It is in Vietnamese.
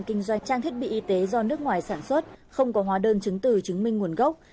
kinh doanh trang thiết bị y tế do nước ngoài sản xuất không có hóa đơn chứng từ chứng minh nguồn gốc